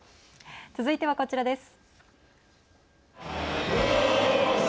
続いては、こちらです。